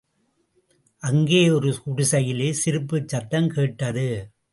அங்கே ஒரு குடிசையிலே சிரிப்புச் சத்தம் கேட்டது.